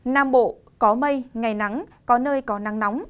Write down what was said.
nam bộ có mây ngày nắng có nơi có nắng nóng